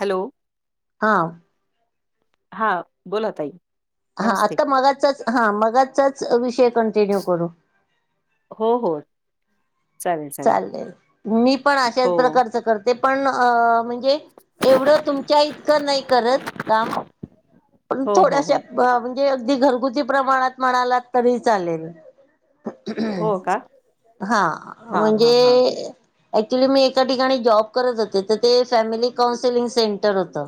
Hello हा हा बोला ताई. हा, नमस्ते. आता मगाचाच, हा मगाचाच विषय कंटिन्यू करू. हो हो चालेल, मी पण हो, अशाच प्रकारच करते. पण अ म्हणजे एवढ तुम च्या इतक नाही करत काम. पण हो, हो, थोड्याशा हो, म्हणजे, अगदी घरगुती प्रमाणात म्हणालात तरी चालेल. हो का? हा हां, हां, हां, म्हणजे ऍक्च्युली मी एका ठिकाणी जॉब करत होते तर ते फॅमिली काउन्सिलिंग सेंटर होत.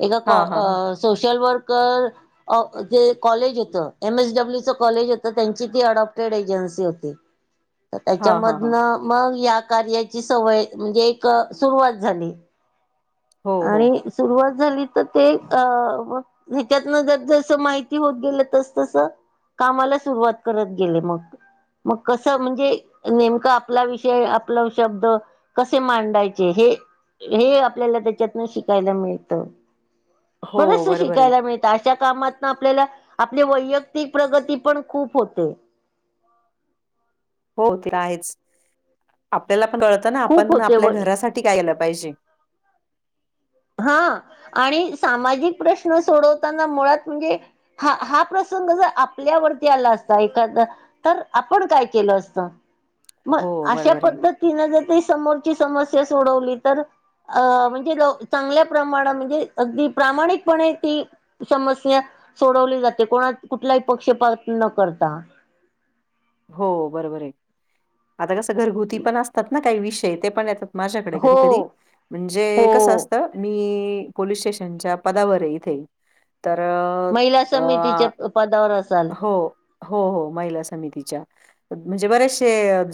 एका हां, हां, हां, काॅ सोशल वर्कर अ जे कॉलेज होत, एम एस डब्ल्यूचं कॉलेज होत. त्यांची ती अडॉप्टेड एजन्सी होती. [unintelligible] हां, हां, हां. त्याच्यामधनं, मग या कार्याची सवय म्हणजे, एक सुरुवात झाली. हो, हो, आणि सुरुवात झाली तर, ते अ म ह्याच्यातन जर जस माहिती होत गेलं, तस तस कामाला सुरुवात करत गेले मग. मग कसं म्हणजे नेमकं आपला विषय, आपलं शब्द कसे मांडायचे? हे, हे आपल्याला त्या त्याच्यातन शिकायला मिळतं. [inaudible] हो बरंच बरोबर आहे. शिकायला मिळत अशा कामात आपल्याला, आपली वैयक्तिक प्रगती पण खूप होते. हो ते आहेच. [inaudible] आपल्याला पण कळतं ना, खूप आपण आपल्या होते घरासाठी काय आलं पाहिजे. हा. आणि सामाजिक प्रश्न सोडवताना मुळात म्हणजे हा, हा प्रसंग जर आपल्यावरती आला असता, एखाद तर आपण काय केलं असत? मग हो अशा बरोबर आहे. पद्धत तिन जर ते समोरची समस्या सोडवली तर, अ म्हणजे चांगल्या प्रमाणात, म्हणजे अगदी प्रामाणिकपणे ती समस्या सोडवली जाते. कोणा कुठलाही पक्षपात न करता. हो बरोबर आहे. आता कसं घरगुती पण असतात ना काही विषय. ते पण येतात माझ्याकडे हो कधी कधी. म्हणजे कसं हो असतं? मी पोलीस स्टेशनच्या पदावर इथे. तर महिला मग अ समितीच्या पदावर असाल [inaudible] हो, हो हो महिला समिती. म्हणजे बरेच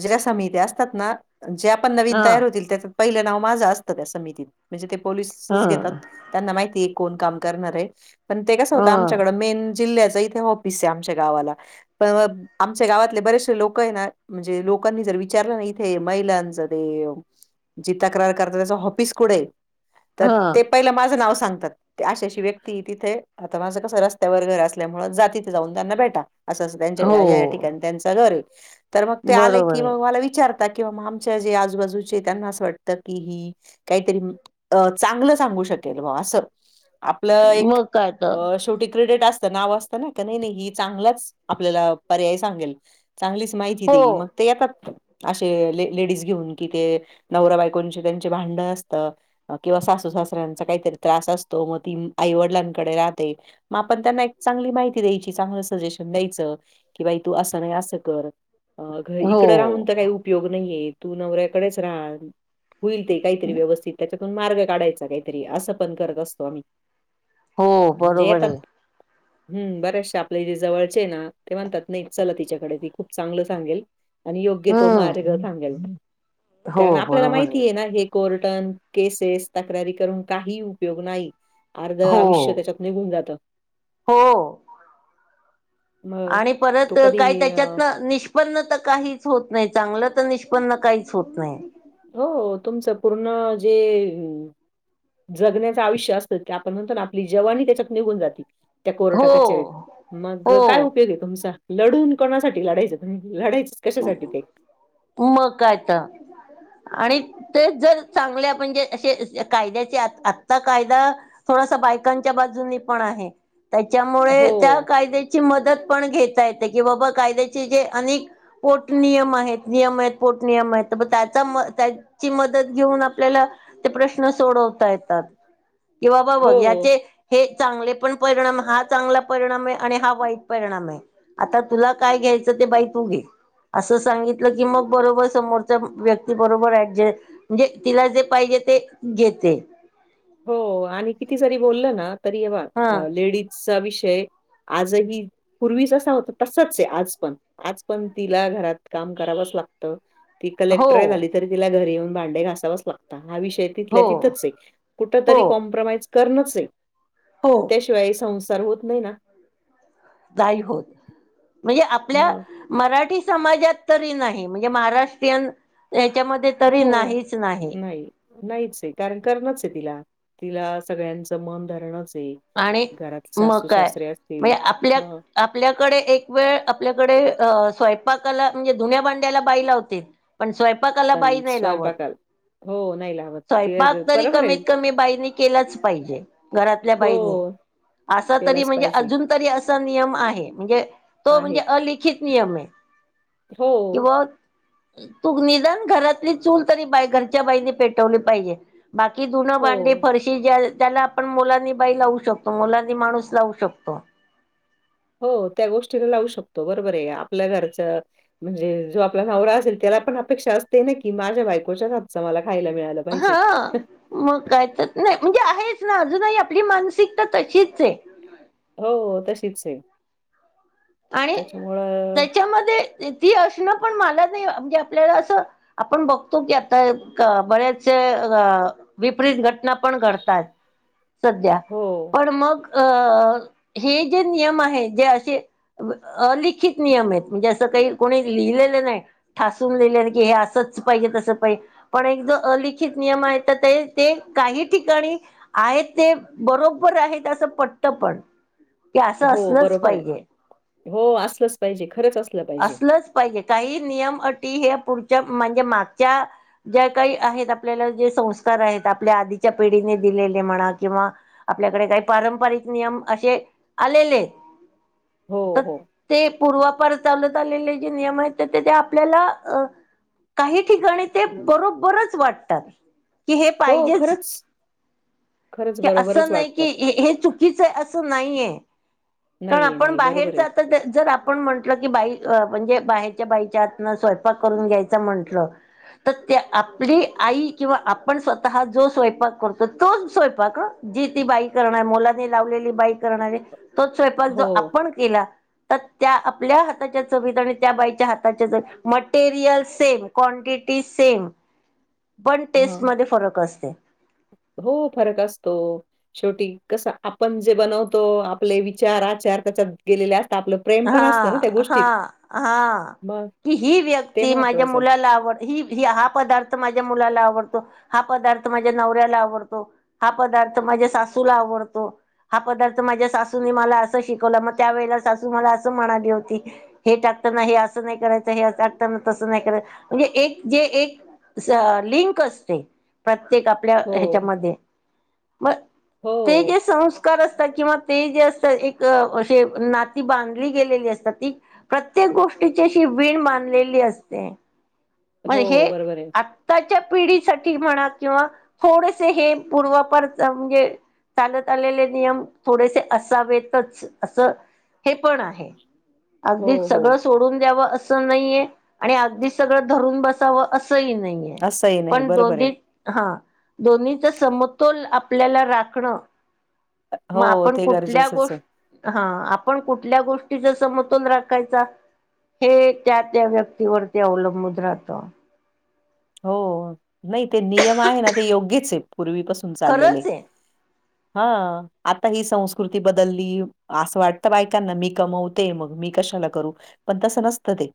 ज्या समित्या असतात ना ज्या पण नवीन हा तयार होतील, त्या पहिलं नाव माझं असतं त्या समितीत. म्हणजे ते हा पोलिसच घेतात. त्यांना माहितीय आहे, कोण काम करणार आहे. पण ते कसं ह होतं आमच्याकडं मेन जिल्ह्याचं इथे ऑफिसे आमच्या गावाला. पण आमच्या गावातले बरेचसे लोक आहे ना, म्हणजे लोकांनी जर विचारलं ना इथे महिलांचा ते जी तक्रार करता त्याच हॉपिस कुठे? तर ह ते पहिलं माझं नाव सांगतात. ते अशी अशी व्यक्ती तिथे, आता माझं कसं रस्त्यावर घर असल्यामुळे जा तिथे जाऊन त्यांना भेटा. असं त्यांच्या या या हो ठिकाणी त्यांच घर आहे. तर मग ते आले बरोबर की आहे मग मला विचार किंवा आमच्या जे आजूबाजूचे त्यांना असं वाटत की ही काहीतरी अ चांगलं सांगू शकेल बॉ असं. आपलं एक, मग काय तर शेवटी क्रेडेट असतं, नाव असतं. नाही का, नाही नाही ही चांगलाच आपल्याला पर्याय सांगेल. चांगलीच माहिती हो देईल. मग ते येतात, असे लेडीज घेऊन कि, ते नवरा बायकोंचे त्यांचे भांडण असतात. किंवा सासू सासऱ्यांचा काहीतरी त्रास असतो. मग ती आईवडिलांकडे राहते. आपण त्यांना एक चांगली माहिती द्यायची, चांगलं सजेशन द्यायचं. कि बाई तू असं नाही असं कर. अ घ हो इकडे राहून काही उपयोग नाहीये, तू नवऱ्याकडेच राहा. होईल ते काहीतरी व्यवस्थित त्यातून मार्ग काढायचा काहीतरी. असं पण करत असतो आम्ही. हो [inaudible] म्हणजे बरोबर येतात आहे हम् बरेचशे आपले जे जवळचे ना. ते म्हणतात नाही चला तिच्याकडे, ती खूप चांगलं सांगेल. आणि योग्य तो मार्ग हम्म सांगेल हो कारण आपल्याला बरोबर आहे माहितीय ना हे, कोर्टन, केसेस, तक्रारी करून काही उपयोग नाही. अर्ध हो आयुष्य त्याच्या निघून जात. हो [inaudible] आणि परत काही त्याच्यात ना निष्पन्न तर काहीच होत नाही. चांगलं तर निष्पन्न काहीच होत नाही. हो. तुमचं पूर्ण जे [inaudible] जगण्याचं आयुष्य असतं ते आपण म्हणतो ना आपली जवानी त्याच्यात निघून जाती. त्या हो कोर्टकचेरीत मग हो काय उपयोग आहे तुमचा लढून कोणासाठी लढायचं लढायचं क कशासाठी ते? मग कायता? आणि ते जर चांगल्या म्हणजे असे कायद्याचे आत्ता कायदा थोडासा बायकांच्या बाजूनी पण आहे. त्याच्यामुळे हो, त्या कायद्याची मदत पण घेता येते कि, बाबा कायद्याचे जे अनेक पोट नियम आहेत. नियम आहेत. पोट नियम आहेत. त्याचा म त्याचा ची मदत घेऊन आपल्याला ते प्रश्न सोडवता येतात. किंवा बा बघ हो. याचे हे चांगले पण परिणाम हा चांगला परिणाम आहे आणि वाईट परिणाम आहे. आता तुला काय घ्यायचं ते बाई तू घे. असं सांगितलं की, मग बरोबर समोरच्या व्यक्ती बरोबर ऍडज म्हणजे तिला जे पाहिजे ते घेते. हो आणि किती जरी बोललं ना तरी हे बघ हा लेडीजचा विषय आजही पूर्वी जसा होता, तसच आहे आज पण आज पण तिला घरात काम करावंच लागतं. ती हो कलेक्टर झाली तरी तिला घरी येऊन भांडे घासावच लागतं हा विषय तिथल्या हो तिथंच आहे. कुठ हो तरी कॉम्प्रोमाइज करणच आहे. हो त्याशिवाय संसार होत नाही ना... नाही होत म्हणजे आपल्या मग मराठी समाजात तरी नाही म्हणजे महाराष्ट्रीयन त्याच्यामध्ये तरी नाहीच नाही. नाहीच आहे. कारण करणच आहे तिला तिला सगळ्यांचं मन धरणच आहे. आणि घरात मग सासू काय -सासरे असतील म्हणजे आपल्या मग आपल्याकडे एक वेळ आपल्याकडे अ स्वयंपाकाला म्हणजे धुन्या भांडायला बाई लावते. पण स्वयंपाकाला बाई पण नाही लावत. स्वयंपाकाला हो नाही लावत. स्वयंपाक ते तरी बरोबर आहे. कमीत- कमी बाईनी केलाच पाहिजे. घरात आपल्या बाईनी हो, असा तरी केलंच म्हणजे पाहिजे. अजून तरी असा नियम आहे. म्हणजे तो म्हणजे आहेच. अलिखित नियम आहे. हो किंवा तू निदान घरातली चूल तरी बाई घरच्या बाईनी पेटवली पाहिजे. बाकी धुण, हो, भांडी, फरशी ज्याला त्याला आपण मुलांनी बाई लावू शकतो. मुलांनी माणूस लावू शकतो. हो त्या गोष्टीला लावू शकतो. बरोबर आहे. आपल्या घरचं म्हणजे जो आपला नवरा असेल त्याला पण अपेक्षा असते ना की, माझ्या बायकोच्या हातचा मला खायला मिळा हा मग काय तर नाही म्हणजे आहेच ना अजूनही आपली मानसिकता तशीच आहे. हो तशीच आहे. आणि त्याच्यामुळं त्याच्यामध्ये ती असणं पण मला नाही म्हणजे आपल्याला असं आपण बघतो की, आता बऱ्याचशा विपरीत घटना पण घडतात सध्या हो, पण मग अ हे जे नियम आहे जे असे अलिखित नियम आहेत म्हणजे असं काही कोणी लिहिलेलं नाही. ठासून लेले की हे असंच पाहिजे तसं पाहिजे. पण एक जो अलिखित नियम आहे तर ते ते काही ठिकाणी. आहेत ते बरोबर आहेत. असं पटत पण की असं हो, असलंच बरोबर आहे. पाहिजे. हो असलंच पाहिजे खरंच असलं पाहिजे. असलंच पाहिजे काही नियम अटी हे पुढच्या म्हणजे मागच्या ज्या काही आहेत आपल्याला जे संस्कार आहेत. आपल्या आधीच्या पिढीने दिलेले म्हणा किंवा आपल्याकडे काही पारंपरिक नियम असे आलेले आहे. हो हो ते पूर्वापार चालत आलेले जे नियम आहेत ते ते आपल्याला अ काही ठिकाणी ते बरोबरच वाटतात की हे हो, पाहिजेच. खरंच. खरंच की बरोबरच असं नाही की वाटतात. हे हे चुकीचं आहे असं नाहीय कारण नाही, आपण नाही. बाहेर बरोबर आहे. जात. तर जर आपण म्हंटलं की बाई म्हणजे बाहेच्या बाईच्या हातन स्वयंपाक करून घ्यायचं म्हंटलं तर ते आपली आई किंवा आपण स्वतः जो स्वयंपाक करतो तोच स्वयंपाक ह जी ती बाई करणार मोलाने लावलेली बाई करणारी तोच स्वयपाक जो हो. आपण केला. तर त्या आपल्या हाताच्या चवीत आणि त्या बाईच्या हाताच्या चवीत मटेरियल सेम क्वांटिटी सेम पण हां. टेस्टमध्ये फरक असते. हो फरक असतो. शेवटी कस आपण जे बनवतो. आपले विचार आचार तेच्यात गेलेले असत आपलं प्रेम पण असतं ना त्या हा हा गोष्टीत. हा मग की ही ते व्यक्ती माझ्या महत्वाचं आहे. मुलाला आवड ही हा पदार्थ माझ्या मुलाला आवडतो. हा पदार्थ माझ्या नवऱ्याला आवडतो. हा पदार्थ माझ्या सासूला आवडतो. हा पदार्थ माझ्या सासूने मला असं शिकवला मग त्यावेेळेला सासू मला असं म्हणाली होती. हे टाकताना हे असं नाही करायचं हे टाकताना तसं नाही करायचं म्हणजे एक जे एक अस लिंक असते प्रत्येक आपल्या हो, ह्याच्यामध्ये मग ते हो, जे संस् कार असतात किंवा ते जे असतात एक असे नात ती बांधली गेलेली असतात. ती प्रत्येक गोष्टीचीशी वीण बांधलेली असते. मग हे हो. बरोबर आहे. आत त्याच्या पिढीसाठी म्हणा किंवा थोडसे हे पूर्वपर म्हणजे चालत आलेले नियम थोडेसे असावेतच असं हे पण आहे हो, अगदीच हो. सगळं सोडून द्यावं असं नाहीये आणि अगदीच सगळं धरून बसावं असं ह नाहीे असंही नाही. पण बरोबर दोनी आहे. हा दोन्हीचा समतोल आपल्याला राखणं मग हो, आपण ते कुठल्या गरजेचंच आहे. गोष्ट हा आपण कुठल्या गोष्टींचा समतोल राखायचा. हे त्या त्या व्यक्तीवरती अवलंबून राहत. हो नाही ते नियम आहे. ना ते योग्यच आहे. पूर्वीपासून चाललेले. खरंच आहे हा आता ही संस्कृती बदलली. असं वाटतं बायकांना मी कमवते मग मी कशाला करू पण तसं नसतं ते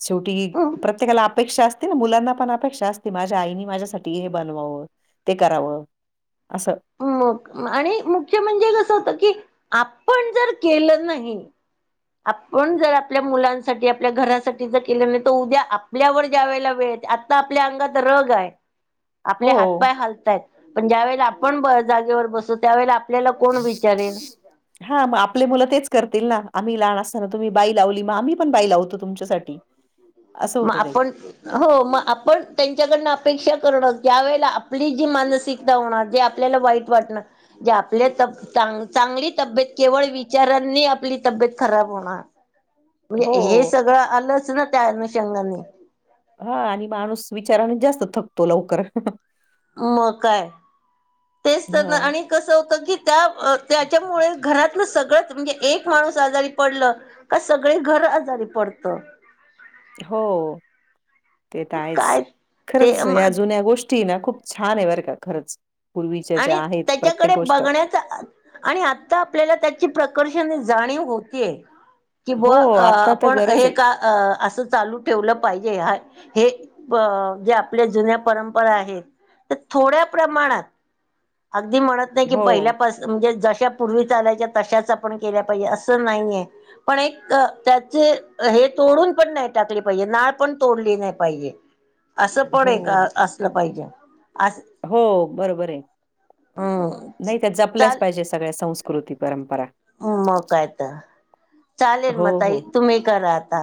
शेवटी प्रत्येकाला अपेक्षा असते. तेन मुलांना पण अपेक्षा असते. माझ्या आईनी माझ्यासाठी हे बनवावं ते करावं. असं मग आणि मुख्य म्हणजे कसं होतं की आपण जर केलं नाही. आपण जर आपल्या मुलांसाठी आपल्या घरासाठी जर केलं नाही तर उद्या आपल्यावर जा्या वळेला वेळे येते. ता आपल्या अंगात रग आहे. आपले हो. हातपाय हालतायत पण ज्यावेेळेला आपण जागेवर बसू त्यावेळेला आपल्याला कोण विचारेन? हा मग आपले मुलं तेच करतील ना आम्ही लहान असताना तुम्ही बाई लावली म आम्ही पण बाई लावतो तुमच्यासाठी. असं म होतं ते आपण हो मग आपण त्यांच्याकडनं अपेक्षा करणं ज्या वेळेला आपली जी मानसिक ता होणार जे आपल्याला वाईट वाटणं जे आपल्या तब चांग चांगली तब्येत केवळ विचारांनी आपली तब्येत खराब होणार. हो म्हणजे हे सगळं आलंच ना त्या अनुषंगाने. हा आणि माणूस विचाराने जास्त थकतो लवकर. मग काय तेच तर ना मग आणि कसं होत की त्या अ त्याच्यामुळे घरातलं सगळंच म्हणजे एक माणूस आजारी पडलं का सगळे घर आजारी पडतं. हो ते तर आहेच काय खरंच ह्या ते जुन्या गोष् टी ना खूप छान आहे बरं का खरंच. पूर्वीच्या ज्या आणि आहेत प्रत्येक त्याच्याकडे गोष्ट बघण्याचा आणि आता आपल्याला त्याची प्रकर्षण ही जाणीव होती आहे कि ब हो अ आता तर आपण गरज हे आहे. का असं चालू ठेवलं पाहिजे हा हे प जे आपल्या जुन्या परंपरा आहे ते थोड्या प्रमाणात अगदी म्हणत नाही की हो पहिल्यापास म्हणजे जशा पूर्वी चालायच्या तशाच आपण केल्या पाहिजे असं नाहीये. पण एक क त्याचे हे तोडून पण नाही टाकली पाहिजे नाळ पण तोडली नाही पाहिजे. असं पण हो एक असलं पाहिजे अस हो बरोबर आहे हम्म नाही त्या जपल्याच चाल पाहिजे सगळ्या संस् कृती परंपरा मग काय तर चालेल हो, म ताई हो. तुम्ही करा आता.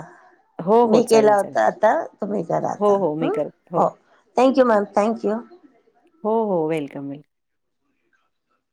हो, हो. मी चालेल, केला चालेल. होता आता तुम्ही करा हो, आता हो. मी हा करते. हो. Thank you ma'am thank you. हो हो वेलकम वेल